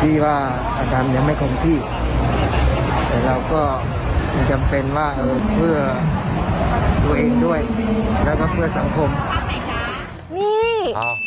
ที่ว่าอาการนี้ไม่คงที่แต่เราก็เป็นเพื่อตัวเองด้วยและเพื่อสังคม